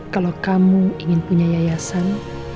kalau kamu ingin punya yayasan